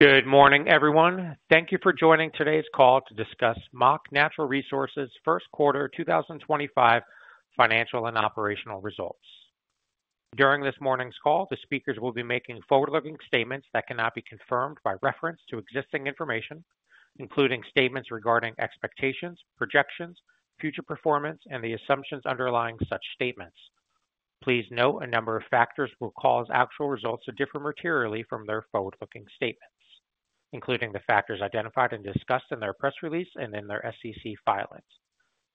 Good morning, everyone. Thank you for joining today's call to discuss Mach Natural Resources' first quarter 2025 financial and operational results. During this morning's call, the speakers will be making forward-looking statements that cannot be confirmed by reference to existing information, including statements regarding expectations, projections, future performance, and the assumptions underlying such statements. Please note a number of factors will cause actual results to differ materially from their forward looking statements, including the factors identified and discussed in their press release and in their SEC filings.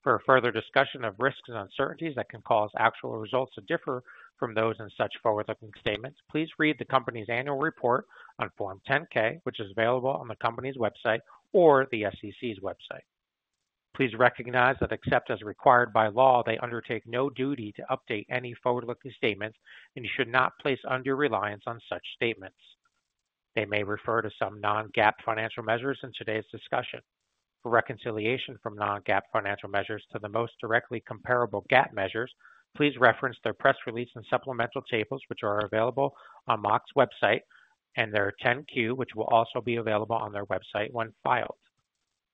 For further discussion of risks and uncertainties that can cause actual results to differ from those in such forward looking statements, please read the company's annual report on Form 10 K, which is available on the company's website or the SEC's website. Please recognize that, except as required by law, they undertake no duty to update any forward looking statements, and you should not place undue reliance on such statements. They may refer to some non GAAP financial measures in today's discussion. For reconciliation from non GAAP financial measures to the most directly comparable GAAP measures, please reference their press release and supplemental tables, which are available on Mach's website, and their 10-Q, which will also be available on their website when filed.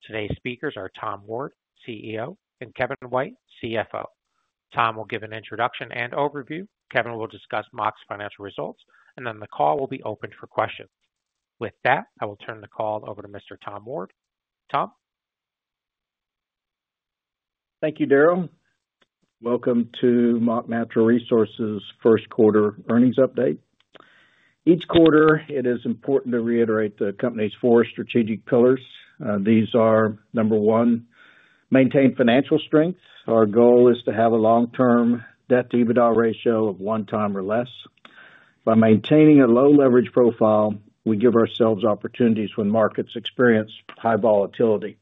Today's speakers are Tom Ward, CEO, and Kevin White, CFO. Tom will give an introduction and overview. Kevin will discuss Mach's financial results, and then the call will be open for questions. With that, I will turn the call over to Mr. Tom Ward. Tom? Thank you, Daryl. Welcome to Mach Natural Resources' first quarter earnings update. Each quarter, it is important to reiterate the company's four strategic pillars. These are, number one, maintain financial strength. Our goal is to have a long-term debt-to-EBITDA ratio of one time or less. By maintaining a low leverage profile, we give ourselves opportunities when markets experience high volatility.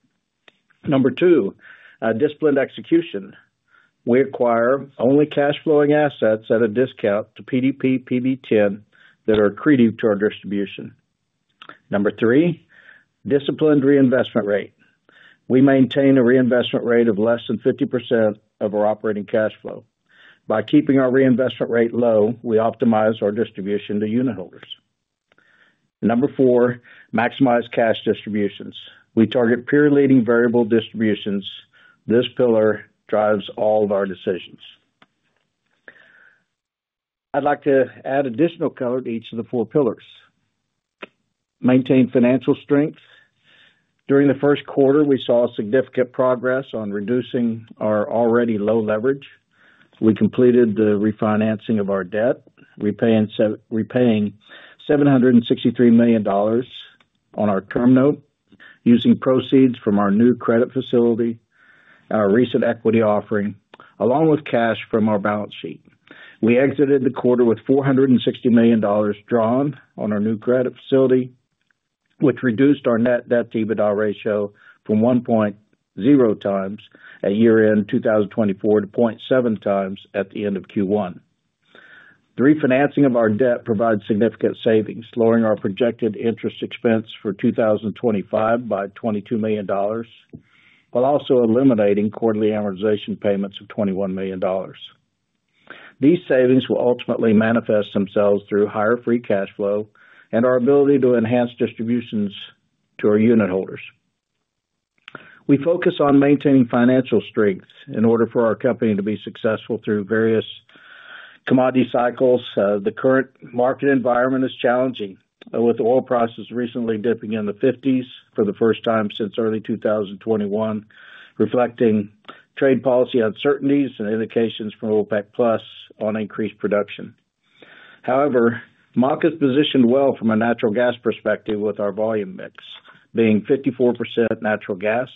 Number two, disciplined execution. We acquire only cash flowing assets at a discount to PDP PV10 that are accretive to our distribution. Number three, disciplined reinvestment rate. We maintain a reinvestment rate of less than 50% of our operating cash flow. By keeping our reinvestment rate low, we optimize our distribution to unit holders. Number four, maximize cash distributions. We target peer-leading variable distributions. This pillar drives all of our decisions. I'd like to add additional color to each of the four pillars. Maintain financial strength. During the first quarter, we saw significant progress on reducing our already low leverage. We completed the refinancing of our debt, repaying $763 million on our term note using proceeds from our new credit facility, our recent equity offering, along with cash from our balance sheet. We exited the quarter with $460 million drawn on our new credit facility, which reduced our net debt to EBITDA ratio from 1.0 times at year end 2024 to 0.7 times at the end of Q1. The refinancing of our debt provides significant savings, lowering our projected interest expense for 2025 by $22 million, while also eliminating quarterly amortization payments of $21 million. These savings will ultimately manifest themselves through higher free cash flow and our ability to enhance distributions to our unit holders. We focus on maintaining financial strength in order for our company to be successful through various commodity cycles. The current market environment is challenging, with oil prices recently dipping in the $50s for the first time since early 2021, reflecting trade policy uncertainties and indications from OPEC+ on increased production. However, Mach is positioned well from a natural gas perspective with our volume mix, being 54% natural gas,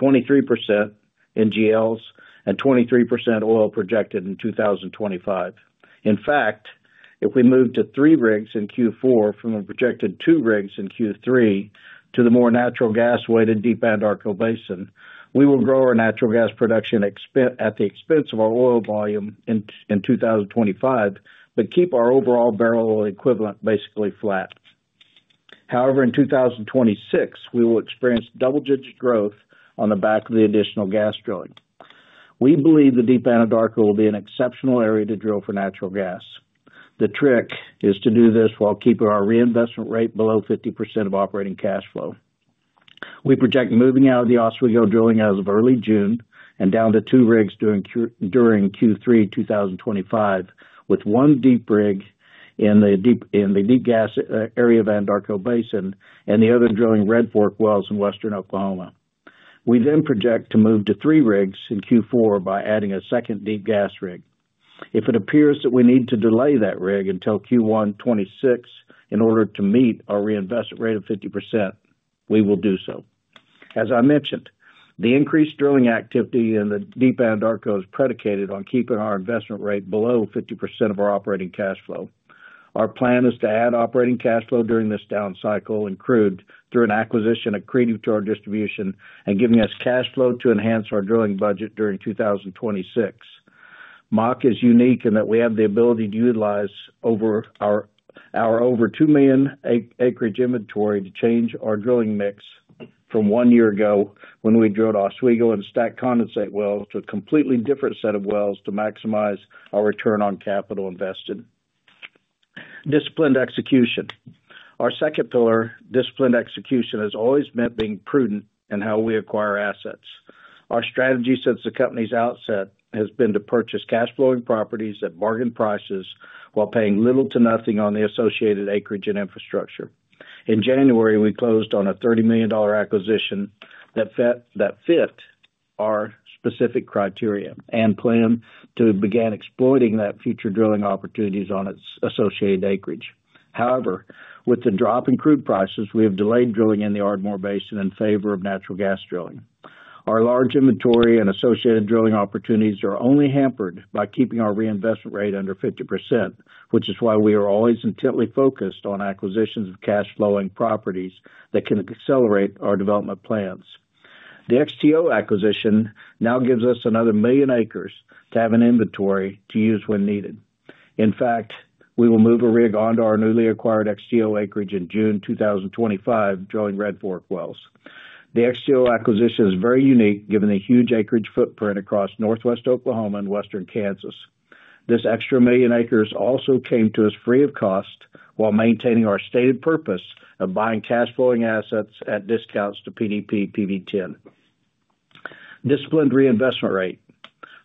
23% NGLs, and 23% oil projected in 2025. In fact, if we move to three rigs in Q4 from a projected two rigs in Q3 to the more natural gas weighted deep Anadarko Basin, we will grow our natural gas production at the expense of our oil volume in 2025, but keep our overall barrel of oil equivalent basically flat. However, in 2026, we will experience double digit growth on the back of the additional gas drilling. We believe the deep Anadarko will be an exceptional area to drill for natural gas. The trick is to do this while keeping our reinvestment rate below 50% of operating cash flow. We project moving out of the Oswego drilling as of early June and down to two rigs during Q3 2025, with one deep rig in the deep gas area of Anadarko Basin and the other drilling Red Fork wells in Western Oklahoma. We then project to move to three rigs in Q4 by adding a second deep gas rig. If it appears that we need to delay that rig until Q1 2026 in order to meet our reinvestment rate of 50%, we will do so. As I mentioned, the increased drilling activity in the deep Anadarko is predicated on keeping our investment rate below 50% of our operating cash flow. Our plan is to add operating cash flow during this down cycle and crude through an acquisition accretive to our distribution and giving us cash flow to enhance our drilling budget during 2026. Mach is unique in that we have the ability to utilize our over 2 million acreage inventory to change our drilling mix from one year ago when we drilled Oswego and Stack Condensate wells to a completely different set of wells to maximize our return on capital invested. Disciplined execution. Our second pillar, disciplined execution, has always meant being prudent in how we acquire assets. Our strategy since the company's outset has been to purchase cash-flowing properties at bargain prices while paying little to nothing on the associated acreage and infrastructure. In January, we closed on a $30 million acquisition that fit our specific criteria and plan to begin exploiting that future drilling opportunities on its associated acreage. However, with the drop in crude prices, we have delayed drilling in the Ardmore Basin in favor of natural gas drilling. Our large inventory and associated drilling opportunities are only hampered by keeping our reinvestment rate under 50%, which is why we are always intently focused on acquisitions of cash-flowing properties that can accelerate our development plans. The XTO acquisition now gives us another million acres to have an inventory to use when needed. In fact, we will move a rig onto our newly acquired XTO acreage in June 2025, drilling Red Fork Wells. The XTO acquisition is very unique given the huge acreage footprint across northwest Oklahoma and western Kansas. This extra million acres also came to us free of cost while maintaining our stated purpose of buying cash-flowing assets at discounts to PDP/PV10. Disciplined reinvestment rate.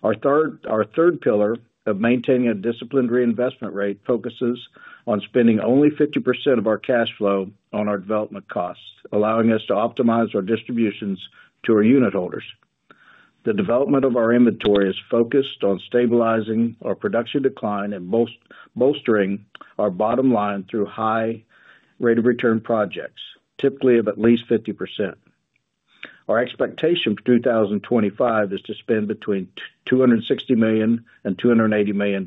Our third pillar of maintaining a disciplined reinvestment rate focuses on spending only 50% of our cash flow on our development costs, allowing us to optimize our distributions to our unit holders. The development of our inventory is focused on stabilizing our production decline and bolstering our bottom line through high rate of return projects, typically of at least 50%. Our expectation for 2025 is to spend between $260 million and $280 million.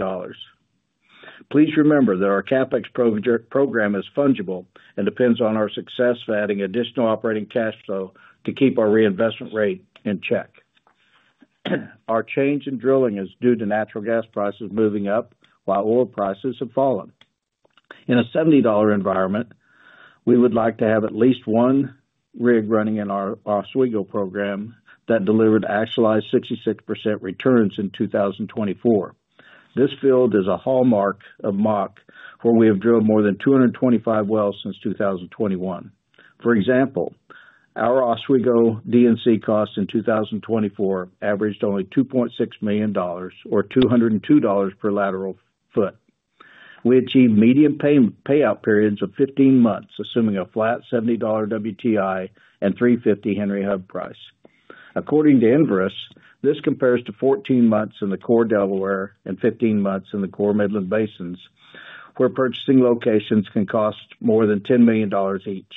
Please remember that our CapEx program is fungible and depends on our success of adding additional operating cash flow to keep our reinvestment rate in check. Our change in drilling is due to natural gas prices moving up while oil prices have fallen. In a $70 environment, we would like to have at least one rig running in our Oswego program that delivered actualized 66% returns in 2024. This field is a hallmark of Mach, where we have drilled more than 225 wells since 2021. For example, our Oswego DNC cost in 2024 averaged only $2.6 million, or $202 per lateral foot. We achieved median payout periods of 15 months, assuming a flat $70 WTI and $350 Henry Hub price. According to Enverus, this compares to 14 months in the Core Delaware and 15 months in the Core Midland Basins, where purchasing locations can cost more than $10 million each.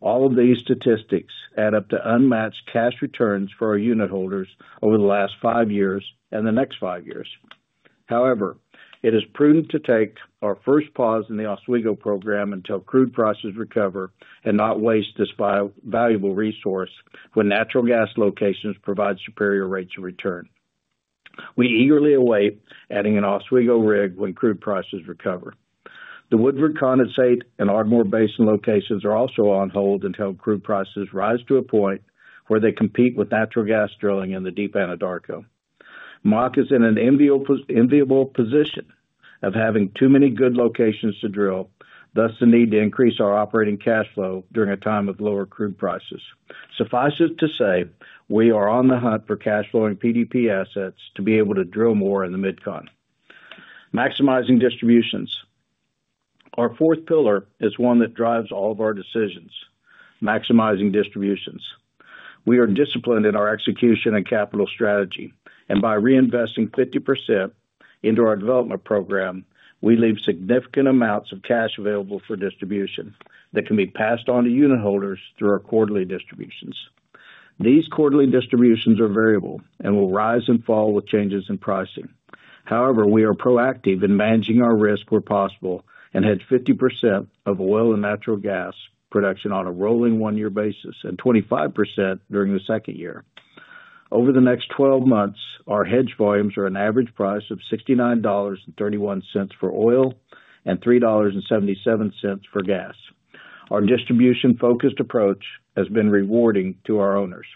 All of these statistics add up to unmatched cash returns for our unit holders over the last five years and the next five years. However, it is prudent to take our first pause in the Oswego program until crude prices recover and not waste this valuable resource when natural gas locations provide superior rates of return. We eagerly await adding an Oswego rig when crude prices recover. The Woodford Condensate and Ardmore Basin locations are also on hold until crude prices rise to a point where they compete with natural gas drilling in the deep Anadarko. Mach is in an enviable position of having too many good locations to drill, thus the need to increase our operating cash flow during a time of lower crude prices. Suffice it to say, we are on the hunt for cash-flowing PDP assets to be able to drill more in the mid-continent. Maximizing distributions. Our fourth pillar is one that drives all of our decisions: maximizing distributions. We are disciplined in our execution and capital strategy. By reinvesting 50% into our development program, we leave significant amounts of cash available for distribution that can be passed on to unit holders through our quarterly distributions. These quarterly distributions are variable and will rise and fall with changes in pricing. However, we are proactive in managing our risk where possible and hedge 50% of oil and natural gas production on a rolling one-year basis and 25% during the second year. Over the next 12 months, our hedge volumes are an average price of $69.31 for oil and $3.77 for gas. Our distribution-focused approach has been rewarding to our owners.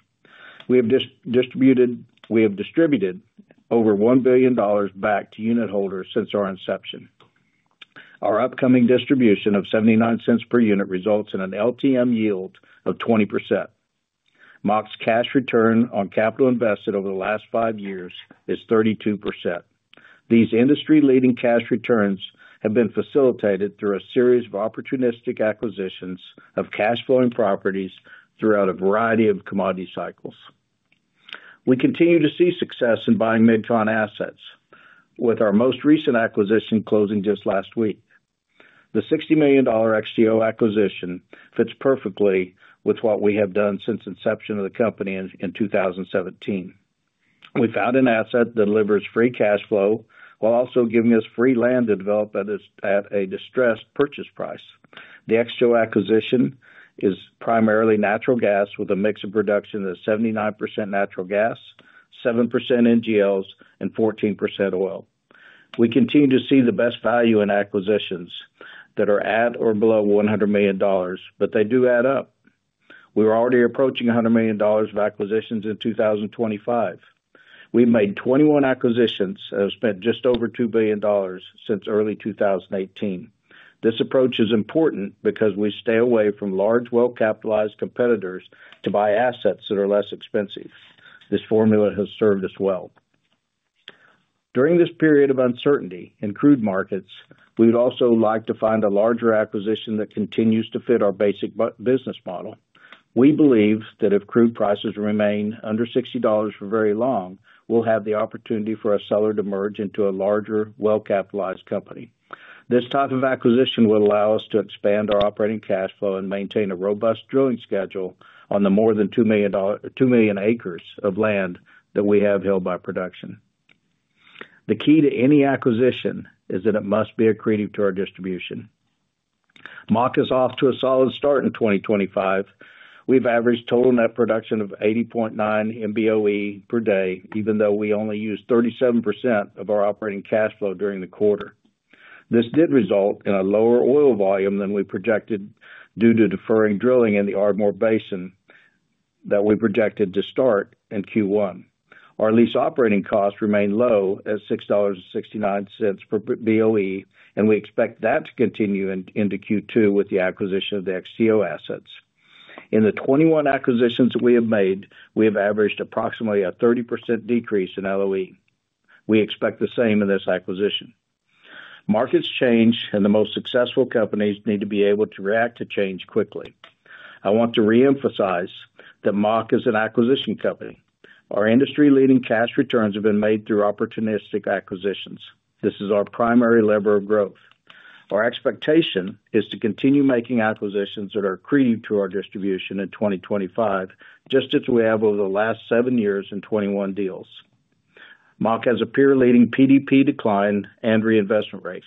We have distributed over $1 billion back to unit holders since our inception. Our upcoming distribution of $0.79 per unit results in an LTM yield of 20%. Mach's cash return on capital invested over the last five years is 32%. These industry-leading cash returns have been facilitated through a series of opportunistic acquisitions of cash-flowing properties throughout a variety of commodity cycles. We continue to see success in buying mid-continent assets, with our most recent acquisition closing just last week. The $60 million XTO acquisition fits perfectly with what we have done since the inception of the company in 2017. We found an asset that delivers free cash flow while also giving us free land to develop at a distressed purchase price. The XTO acquisition is primarily natural gas with a mix of production of 79% natural gas, 7% NGLs, and 14% oil. We continue to see the best value in acquisitions that are at or below $100 million, but they do add up. We are already approaching $100 million of acquisitions in 2025. We've made 21 acquisitions and have spent just over $2 billion since early 2018. This approach is important because we stay away from large well-capitalized competitors to buy assets that are less expensive. This formula has served us well. During this period of uncertainty in crude markets, we would also like to find a larger acquisition that continues to fit our basic business model. We believe that if crude prices remain under $60 for very long, we'll have the opportunity for a seller to merge into a larger well-capitalized company. This type of acquisition will allow us to expand our operating cash flow and maintain a robust drilling schedule on the more than 2 million acres of land that we have held by production. The key to any acquisition is that it must be accretive to our distribution. Mach is off to a solid start in 2025. We've averaged total net production of 80.9 MBOE per day, even though we only used 37% of our operating cash flow during the quarter. This did result in a lower oil volume than we projected due to deferring drilling in the Ardmore Basin that we projected to start in Q1. Our lease operating costs remain low at $6.69 per BOE, and we expect that to continue into Q2 with the acquisition of the XTO assets. In the 21 acquisitions that we have made, we have averaged approximately a 30% decrease in LOE. We expect the same in this acquisition. Markets change, and the most successful companies need to be able to react to change quickly. I want to reemphasize that Mach is an acquisition company. Our industry-leading cash returns have been made through opportunistic acquisitions. This is our primary lever of growth. Our expectation is to continue making acquisitions that are accretive to our distribution in 2025, just as we have over the last seven years in 21 deals. Mach has a peer-leading PDP decline and reinvestment rate.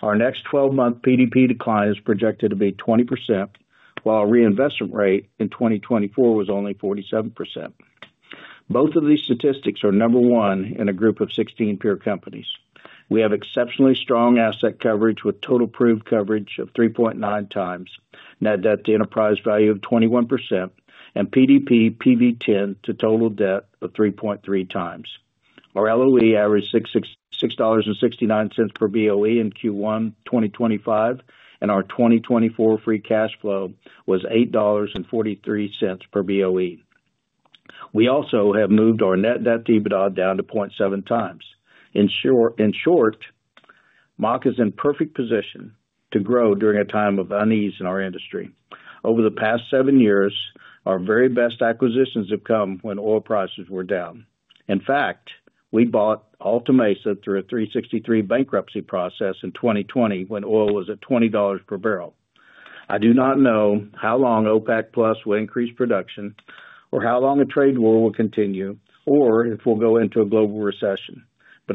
Our next 12-month PDP decline is projected to be 20%, while our reinvestment rate in 2024 was only 47%. Both of these statistics are number one in a group of 16 peer companies. We have exceptionally strong asset coverage with total proof coverage of 3.9 times, net debt to enterprise value of 21%, and PDP/PV10 to total debt of 3.3 times. Our LOE averaged $6.69 per BOE in Q1 2025, and our 2024 free cash flow was $8.43 per BOE. We also have moved our net debt to EBITDA down to 0.7 times. In short, Mach is in perfect position to grow during a time of unease in our industry. Over the past seven years, our very best acquisitions have come when oil prices were down. In fact, we bought Alta Mesa through a 363 bankruptcy process in 2020 when oil was at $20 per barrel. I do not know how long OPEC+ will increase production, or how long a trade war will continue, or if we will go into a global recession.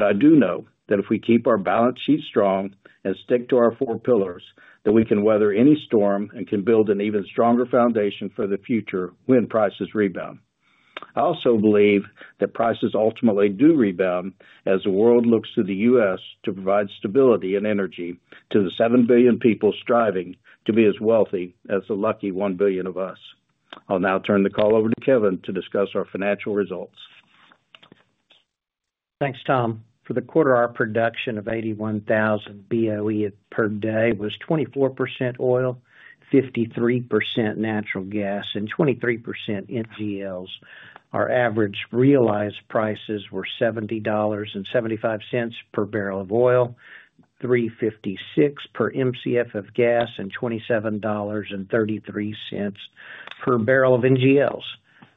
I do know that if we keep our balance sheet strong and stick to our four pillars, we can weather any storm and can build an even stronger foundation for the future when prices rebound. I also believe that prices ultimately do rebound as the world looks to the U.S. to provide stability and energy to the 7 billion people striving to be as wealthy as the lucky 1 billion of us. I will now turn the call over to Kevin to discuss our financial results. Thanks, Tom. For the quarter, our production of 81,000 BOE per day was 24% oil, 53% natural gas, and 23% NGLs. Our average realized prices were $70.75 per barrel of oil, $3.56 per MCF of gas, and $27.33 per barrel of NGLs.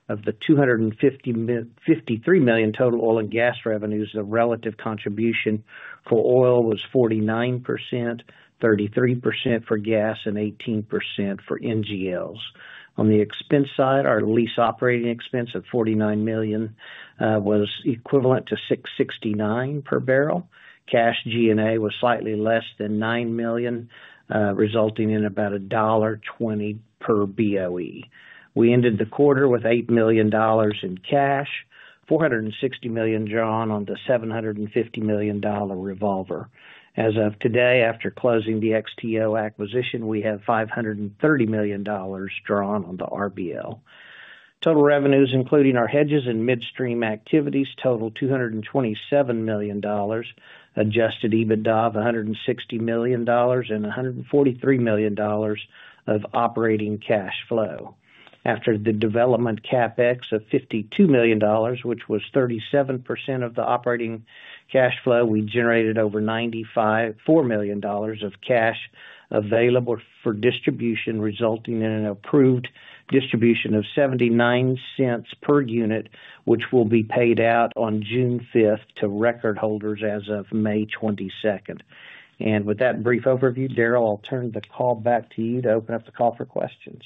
Of the $253 million total oil and gas revenues, the relative contribution for oil was 49%, 33% for gas, and 18% for NGLs. On the expense side, our lease operating expense of $49 million was equivalent to $6.69 per barrel. Cash G&A was slightly less than $9 million, resulting in about $1.20 per BOE. We ended the quarter with $8 million in cash, $460 million drawn on the $750 million revolver. As of today, after closing the XTO acquisition, we have $530 million drawn on the RBL. Total revenues, including our hedges and midstream activities, totaled $227 million, adjusted EBITDA of $160 million, and $143 million of operating cash flow. After the development CapEx of $52 million, which was 37% of the operating cash flow, we generated over $94 million of cash available for distribution, resulting in an approved distribution of $0.79 per unit, which will be paid out on June 5th to record holders as of May 22nd. With that brief overview, Daryl, I'll turn the call back to you to open up the call for questions.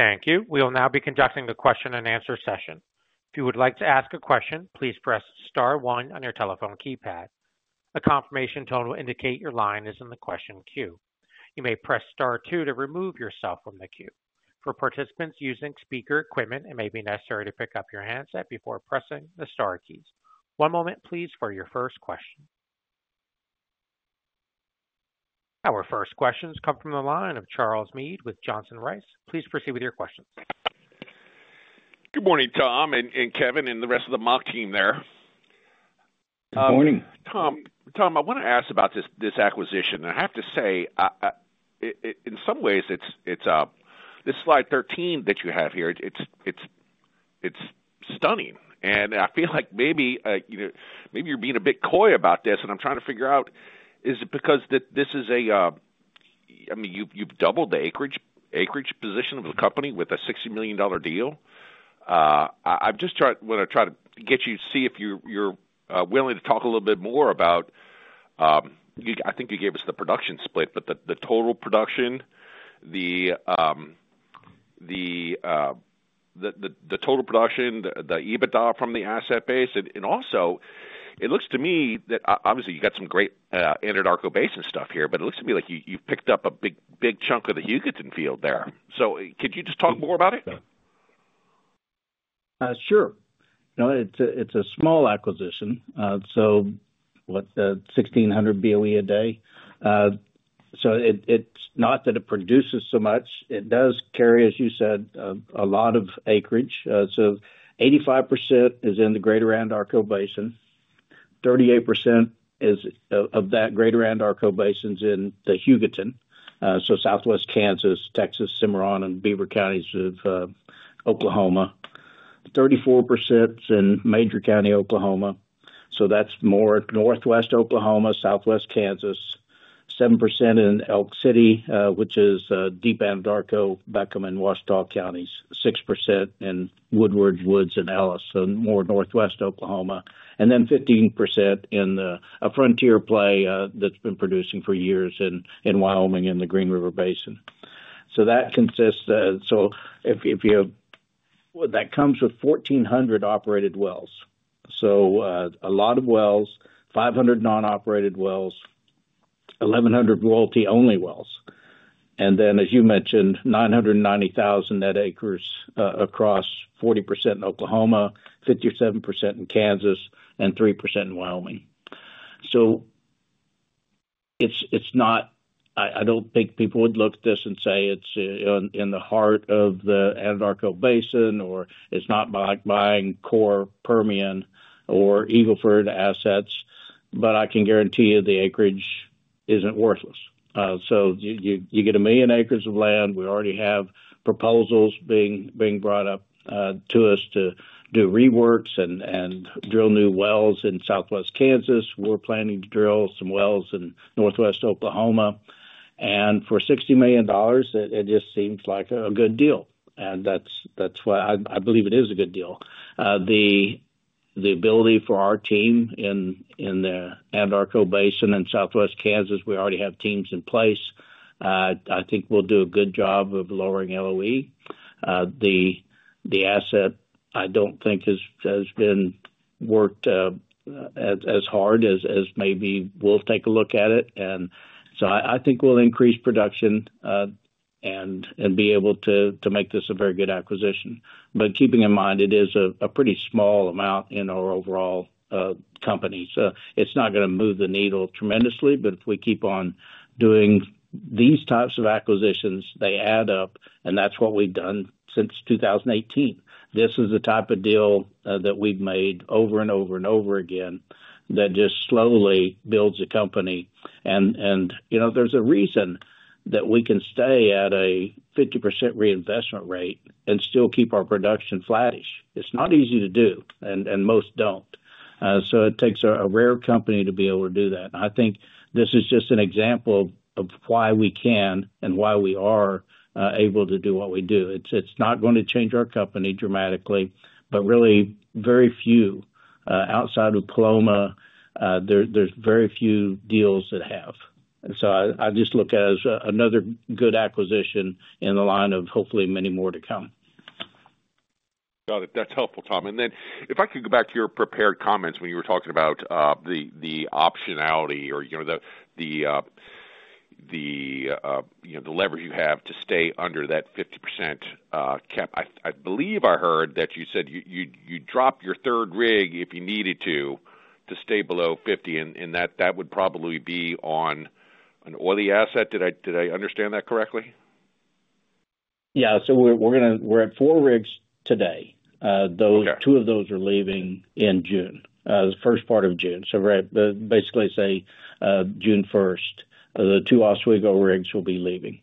Thank you. We will now be conducting a question-and-answer session. If you would like to ask a question, please press Star 1 on your telephone keypad. A confirmation tone will indicate your line is in the question queue. You may press Star 2 to remove yourself from the queue. For participants using speaker equipment, it may be necessary to pick up your handset before pressing the Star keys. One moment, please, for your first question. Our first questions come from the line of Charles Mead with Johnson Rice. Please proceed with your questions. Good morning, Tom, and Kevin, and the rest of the Mach team there. Good morning. Tom, I want to ask about this acquisition. I have to say, in some ways, this slide 13 that you have here, it's stunning. I feel like maybe you're being a bit coy about this, and I'm trying to figure out, is it because this is a—I mean, you've doubled the acreage position of the company with a $60 million deal. I'm just going to try to get you to see if you're willing to talk a little bit more about—I think you gave us the production split, but the total production, the total production, the EBITDA from the asset base. Also, it looks to me that, obviously, you got some great Anadarko Basin stuff here, but it looks to me like you've picked up a big chunk of the Hugoton field there. Could you just talk more about it? Sure. It's a small acquisition. What, 1,600 BOE a day. It's not that it produces so much. It does carry, as you said, a lot of acreage. 85% is in the greater Anadarko Basin. 38% of that greater Anadarko Basin is in the Hugoton— Southwest Kansas, Texas, Cimarron, and Beaver Counties of Oklahoma. 34% is in Major County, Oklahoma. That is more Northwest Oklahoma, Southwest Kansas. 7% in Elk City, which is deep Anadarko, Beckham, and Washita Counties. 6% in Woodward, Woods, and Ellis. That is more Northwest Oklahoma. 15% in a frontier play that has been producing for years in Wyoming and the Green River Basin. That consists—if you have—well, that comes with 1,400 operated wells. A lot of wells, 500 non-operated wells, 1,100 royalty-only wells. As you mentioned, 990,000 net acres across 40% in Oklahoma, 57% in Kansas, and 3% in Wyoming. It is not—I do not think people would look at this and say it is in the heart of the Anadarko Basin or it is not buying core Permian or Eagle Ford assets. I can guarantee you the acreage is not worthless. You get a million acres of land. We already have proposals being brought up to us to do reworks and drill new wells in Southwest Kansas. We're planning to drill some wells in Northwest Oklahoma. For $60 million, it just seems like a good deal. That is why I believe it is a good deal. The ability for our team in the Anadarko Basin and Southwest Kansas—we already have teams in place—I think we'll do a good job of lowering LOE. The asset, I do not think, has been worked as hard as maybe we'll take a look at it. I think we'll increase production and be able to make this a very good acquisition. Keeping in mind, it is a pretty small amount in our overall company. It is not going to move the needle tremendously. If we keep on doing these types of acquisitions, they add up. That is what we have done since 2018. This is the type of deal that we have made over and over again that just slowly builds a company. There is a reason that we can stay at a 50% reinvestment rate and still keep our production flattish. It is not easy to do, and most do not. It takes a rare company to be able to do that. I think this is just an example of why we can and why we are able to do what we do. It is not going to change our company dramatically, but really, very few outside of Paloma, there are very few deals that have. I just look at it as another good acquisition in the line of hopefully many more to come. Got it. That is helpful, Tom. If I could go back to your prepared comments when you were talking about the optionality or the leverage you have to stay under that 50% cap. I believe I heard that you said you'd drop your third rig if you needed to, to stay below 50%. That would probably be on an oily asset. Did I understand that correctly? Yeah. We're at four rigs today. Two of those are leaving in June, the first part of June. Basically, say June 1, the two Oswego rigs will be leaving.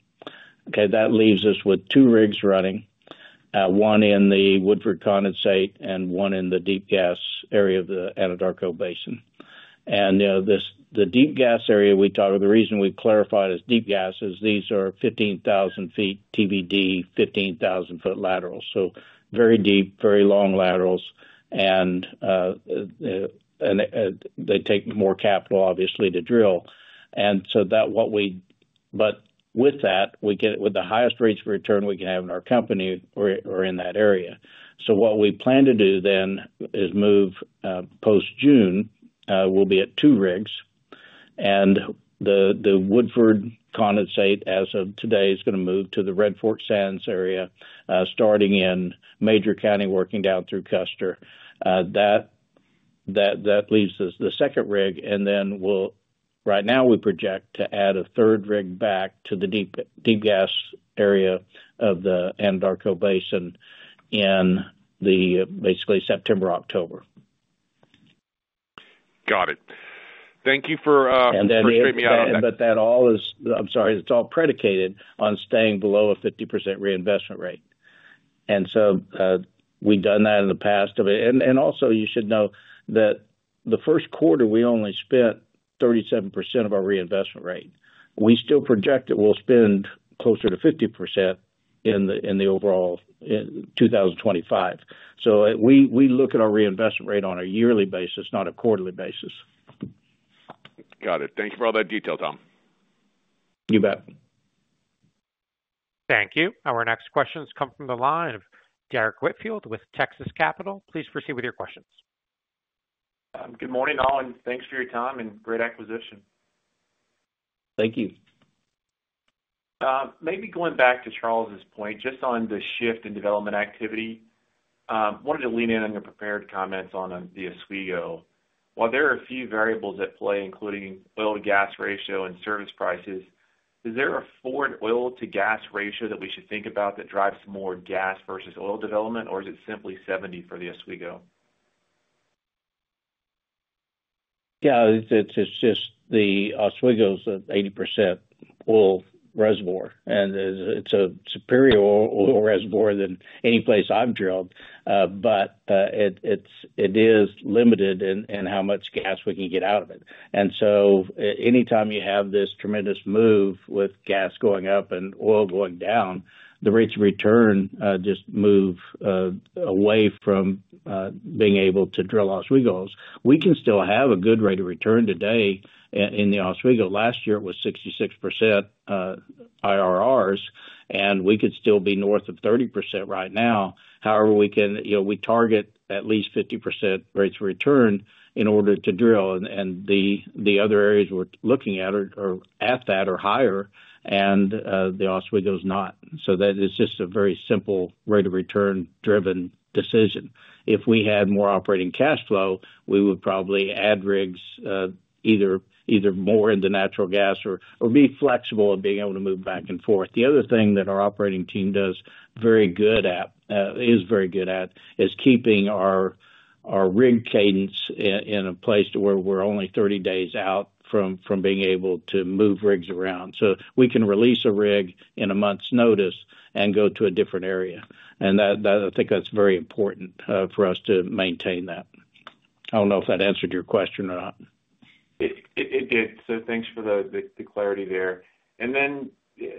That leaves us with two rigs running, one in the Woodford Condensate and one in the deep gas area of the Anadarko Basin. The deep gas area we talked about, the reason we've clarified as deep gas is these are 15,000 feet TBD, 15,000-foot laterals. Very deep, very long laterals. They take more capital, obviously, to drill. With that, we get the highest rates of return we can have in our company or in that area. What we plan to do then is move post-June, we'll be at two rigs. The Woodford Condensate, as of today, is going to move to the Red Fork Sands area, starting in Major County, working down through Custer. That leaves us the second rig. Right now, we project to add a third rig back to the deep gas area of the Anadarko Basin in basically September, October. Got it. Thank you for straightening me out on that. That all is—I'm sorry. It's all predicated on staying below a 50% reinvestment rate. We've done that in the past. Also, you should know that the first quarter, we only spent 37% of our reinvestment rate. We still project that we'll spend closer to 50% in the overall 2025. We look at our reinvestment rate on a yearly basis, not a quarterly basis. Got it. Thank you for all that detail, Tom. You bet. Thank you. Our next questions come from the line of Derek Whitfield with Texas Capital. Please proceed with your questions. Good morning, all. And thanks for your time and great acquisition. Thank you. Maybe going back to Charles' point, just on the shift in development activity, I wanted to lean in on your prepared comments on the Oswego. While there are a few variables at play, including oil-to-gas ratio and service prices, is there a forward oil-to-gas ratio that we should think about that drives more gas versus oil development, or is it simply 70 for the Oswego? Yeah. It's just the Oswego's an 80% oil reservoir. And it's a superior oil reservoir than any place I've drilled. But it is limited in how much gas we can get out of it. Anytime you have this tremendous move with gas going up and oil going down, the rates of return just move away from being able to drill Oswegos. We can still have a good rate of return today in the Oswego. Last year, it was 66% IRRs. We could still be north of 30% right now. However, we target at least 50% rates of return in order to drill. The other areas we are looking at are at that or higher. The Oswego is not. That is just a very simple rate of return-driven decision. If we had more operating cash flow, we would probably add rigs either more in the natural gas or be flexible in being able to move back and forth. The other thing that our operating team does very good at is keeping our rig cadence in a place where we are only 30 days out from being able to move rigs around. We can release a rig in a month's notice and go to a different area. I think that is very important for us to maintain that. I do not know if that answered your question or not. It did. Thanks for the clarity there. Then,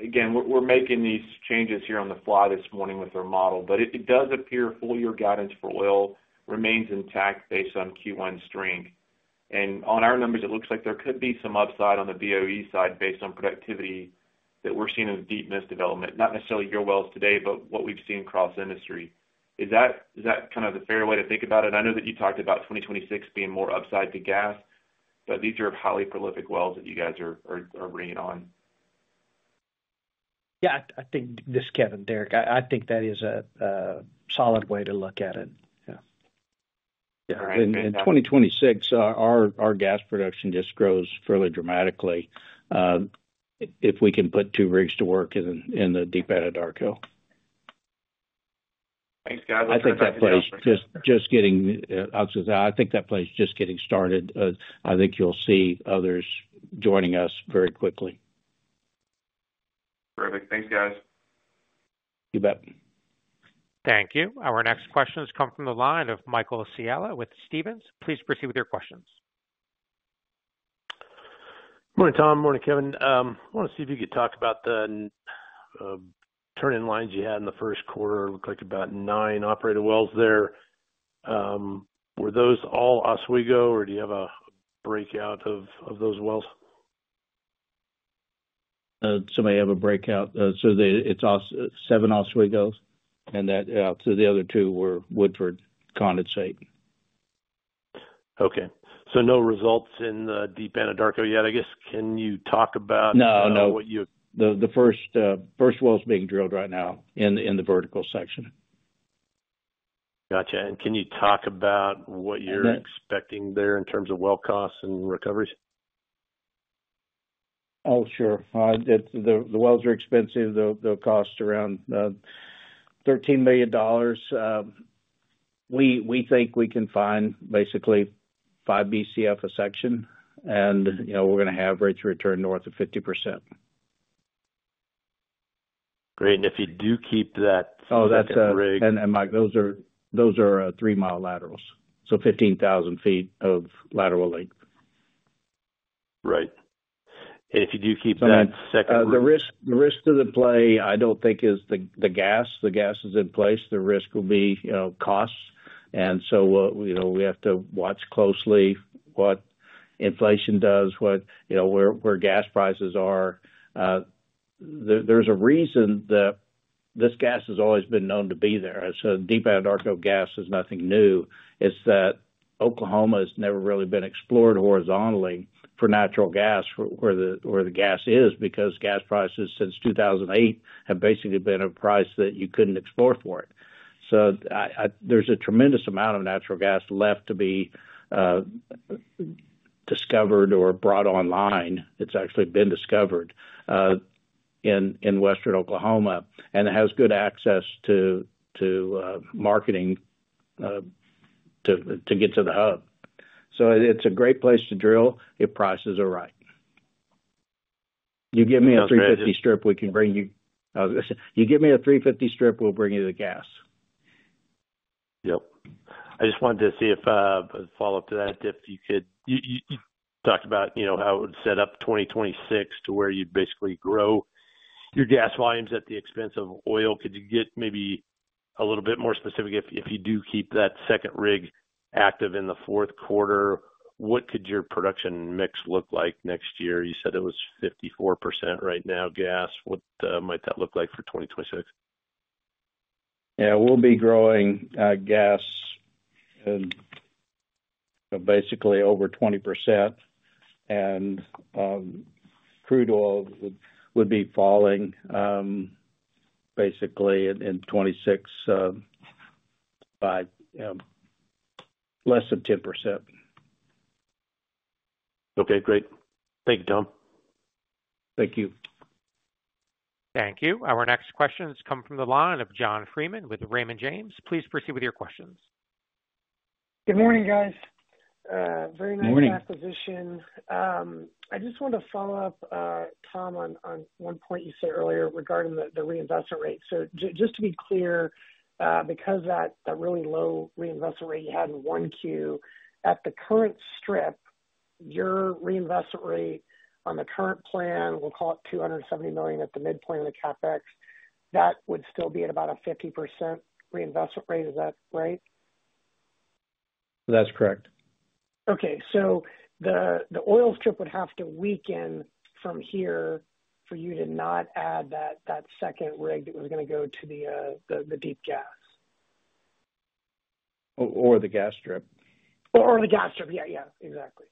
again, we're making these changes here on the fly this morning with our model. It does appear full year guidance for oil remains intact based on Q1 strength. On our numbers, it looks like there could be some upside on the BOE side based on productivity that we're seeing in the deep mist development, not necessarily your wells today, but what we've seen across industry. Is that kind of the fair way to think about it? I know that you talked about 2026 being more upside to gas, but these are highly prolific wells that you guys are bringing on. Yeah. I think this, Kevin, Derek, I think that is a solid way to look at it. Yeah. All right. Thank you. In 2026, our gas production just grows fairly dramatically if we can put two rigs to work in the deep Anadarko. Thanks, guys. I appreciate it. I think that play's just getting out to the—I think that play's just getting started. I think you'll see others joining us very quickly. Terrific. Thanks, guys. You bet. Thank you. Our next questions come from the line of Michael Scialla with Stephens. Please proceed with your questions. Morning, Tom. Morning, Kevin. I want to see if you could talk about the turn-in lines you had in the first quarter. It looked like about nine operated wells there. Were those all Oswego, or do you have a breakout of those wells? Somebody have a breakout. So it's seven Oswegos. And so the other two were Woodford Condensate. Okay. So no results in the deep Anadarko yet. I guess, can you talk about what you— No, no. The first well's being drilled right now in the vertical section. Gotcha. Can you talk about what you're expecting there in terms of well costs and recoveries? Oh, sure. The wells are expensive. They'll cost around $13 million. We think we can find basically 5 BCF a section. We're going to have rates of return north of 50%. Great. If you do keep that second rig— that's a—And Mike, those are three-mile laterals. So 15,000 feet of lateral length. Right. If you do keep that second rig— the risk of the play, I don't think, is the gas. The gas is in place. The risk will be costs. We have to watch closely what inflation does, where gas prices are. There's a reason that this gas has always been known to be there. Deep Anadarko gas is nothing new. It's that Oklahoma has never really been explored horizontally for natural gas, where the gas is, because gas prices since 2008 have basically been a price that you couldn't explore for it. There is a tremendous amount of natural gas left to be discovered or brought online. It's actually been discovered in Western Oklahoma. It has good access to marketing to get to the hub. It's a great place to drill if prices are right. You give me a $3.50 strip, we can bring you—You give me a $3.50 strip, we'll bring you the gas. Yep. I just wanted to see if a follow-up to that, if you could talk about how it would set up 2026 to where you'd basically grow your gas volumes at the expense of oil. Could you get maybe a little bit more specific? If you do keep that second rig active in the fourth quarter, what could your production mix look like next year? You said it was 54% right now gas. What might that look like for 2026? Yeah. We'll be growing gas basically over 20%. And crude oil would be falling basically in 2026 by less than 10%. Okay. Great. Thank you, Tom. Thank you. Thank you. Our next questions come from the line of John Freeman with Raymond James. Please proceed with your questions. Good morning, guys. Very nice acquisition. I just want to follow up, Tom, on one point you said earlier regarding the reinvestment rate. Just to be clear, because that really low reinvestment rate you had in Q1, at the current strip, your reinvestment rate on the current plan, we'll call it $270 million at the midpoint of the CapEx, that would still be at about a 50% reinvestment rate. Is that right? That's correct. Okay. The oil strip would have to weaken from here for you to not add that second rig that was going to go to the deep gas. Or the gas strip. Or the gas strip. Yeah. Yeah. Exactly.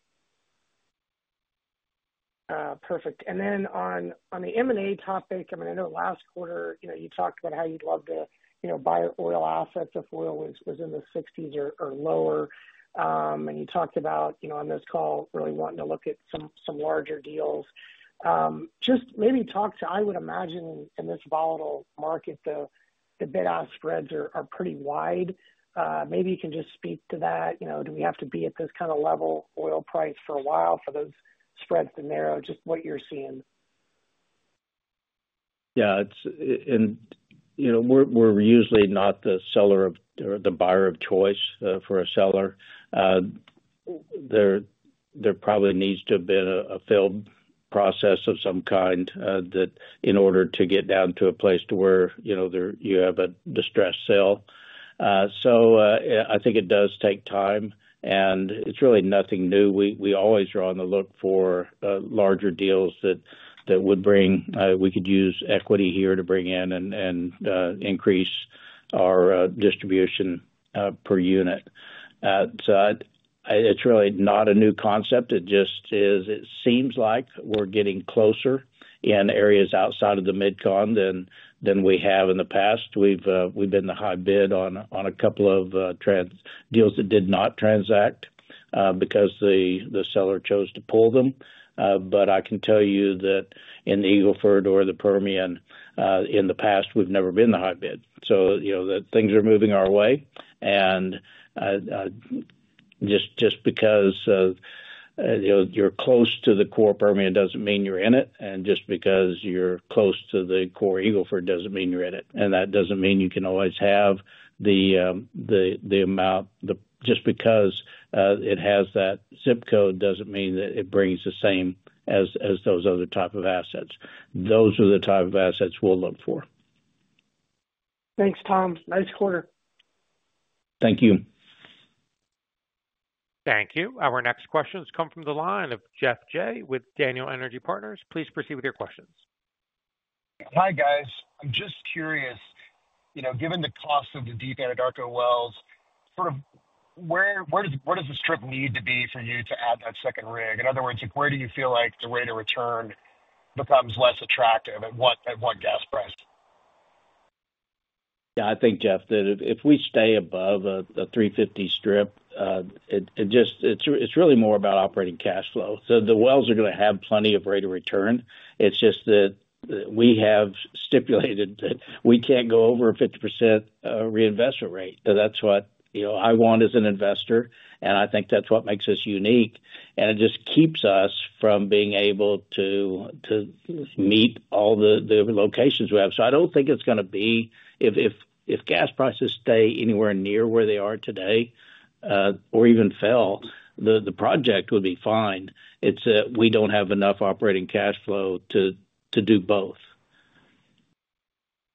Perfect. And then on the M&A topic, I mean, I know last quarter, you talked about how you'd love to buy oil assets if oil was in the $60s or lower. And you talked about, on this call, really wanting to look at some larger deals. Just maybe talk to, I would imagine, in this volatile market, the bid-ask spreads are pretty wide. Maybe you can just speak to that. Do we have to be at this kind of level oil price for a while for those spreads to narrow? Just what you're seeing. Yeah. We're usually not the seller or the buyer of choice for a seller. There probably needs to have been a fill process of some kind in order to get down to a place to where you have a distressed sale. I think it does take time. It's really nothing new. We always are on the look for larger deals that would bring—we could use equity here to bring in and increase our distribution per unit. It's really not a new concept. It just is, it seems like we're getting closer in areas outside of the Mid Con than we have in the past. We've been the high bid on a couple of deals that did not transact because the seller chose to pull them. I can tell you that in the Eagle Ford or the Permian, in the past, we've never been the high bid. Things are moving our way. Just because you're close to the core Permian does not mean you're in it. Just because you're close to the core Eagle Ford does not mean you're in it. That does not mean you can always have the amount. Just because it has that zip code does not mean that it brings the same as those other types of assets. Those are the types of assets we'll look for. Thanks, Tom. Nice quarter. Thank you. Thank you. Our next questions come from the line of Jeff Jay with Daniel Energy Partners. Please proceed with your questions. Hi, guys. I'm just curious, given the cost of the deep Anadarko wells, sort of where does the strip need to be for you to add that second rig? In other words, where do you feel like the rate of return becomes less attractive at what gas price? Yeah. I think, Jeff, that if we stay above a $3.50 strip, it's really more about operating cash flow. The wells are going to have plenty of rate of return. It's just that we have stipulated that we can't go over a 50% reinvestment rate. That's what I want as an investor. I think that's what makes us unique. It just keeps us from being able to meet all the locations we have. I do not think it is going to be—if gas prices stay anywhere near where they are today or even fell, the project would be fine. It is that we do not have enough operating cash flow to do both.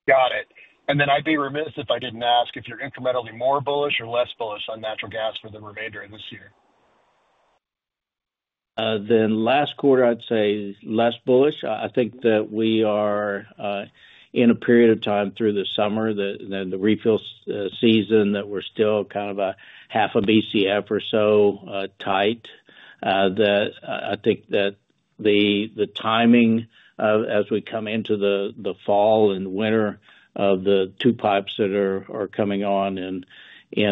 Got it. I would be remiss if I did not ask if you are incrementally more bullish or less bullish on natural gas for the remainder of this year. Than last quarter, I would say less bullish. I think that we are in a period of time through the summer, the refill season, that we are still kind of a half a BCF or so tight. I think that the timing as we come into the fall and winter of the two pipes that are coming on in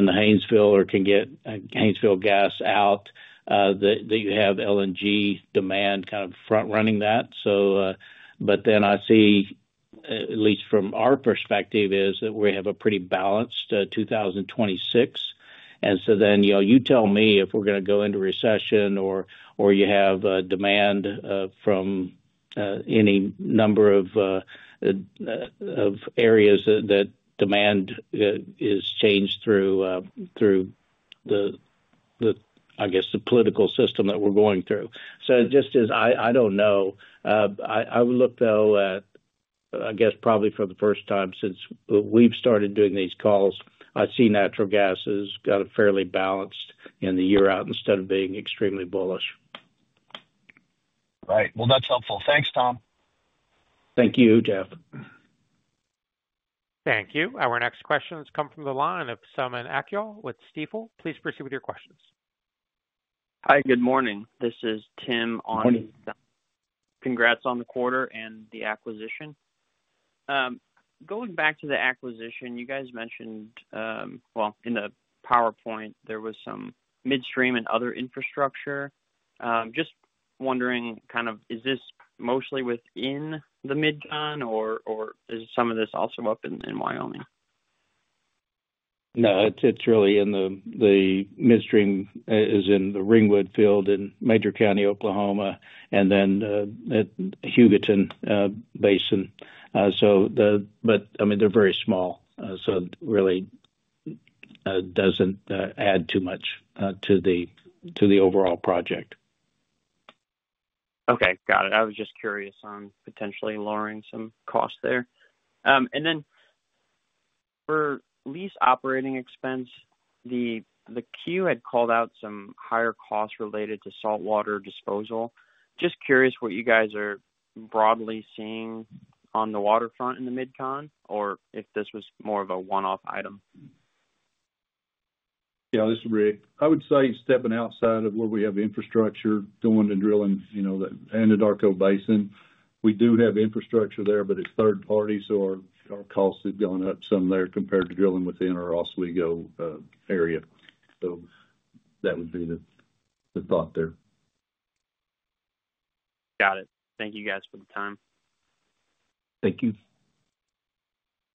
the Haynesville or can get Haynesville gas out, that you have LNG demand kind of front-running that. But then I see, at least from our perspective, is that we have a pretty balanced 2026. And you tell me if we're going to go into recession or you have demand from any number of areas that demand is changed through the, I guess, the political system that we're going through. Just as I don't know, I would look, though, at, I guess, probably for the first time since we've started doing these calls, I see natural gas has got a fairly balanced in the year out instead of being extremely bullish. Right. That's helpful. Thanks, Tom. Thank you, Jeff. Thank you. Our next questions come from the line of Simon Akyol with Seaport Global. Please proceed with your questions. Hi. Good morning. This is Tim on. Morning. Congrats on the quarter and the acquisition. Going back to the acquisition, you guys mentioned, well, in the PowerPoint, there was some midstream and other infrastructure. Just wondering kind of, is this mostly within the mid-cont, or is some of this also up in Wyoming? No. It's really in the midstream is in the Ringwood field in Major County, Oklahoma, and then at Hugoton Basin. I mean, they're very small. It really doesn't add too much to the overall project. Okay. Got it. I was just curious on potentially lowering some costs there. And then for lease operating expense, the queue had called out some higher costs related to saltwater disposal. Just curious what you guys are broadly seeing on the waterfront in the mid-cont, or if this was more of a one-off item. Yeah. I would say stepping outside of where we have infrastructure going to drill in the Anadarko Basin. We do have infrastructure there, but it's third-party. So our costs have gone up some there compared to drilling within our Oswego area. That would be the thought there. Got it. Thank you, guys, for the time. Thank you.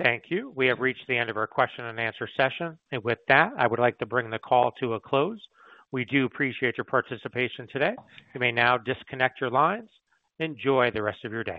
Thank you. We have reached the end of our question and answer session. With that, I would like to bring the call to a close. We do appreciate your participation today. You may now disconnect your lines. Enjoy the rest of your day.